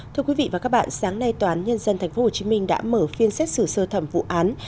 thưa quý vị và các bạn sáng nay tòa án nhân dân tp hcm đã mở phiên xét xử sơ thẩm vụ án